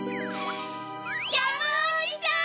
ジャムおじさん！